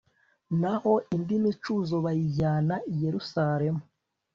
naho indi micuzo bayijyana i yeruzalemu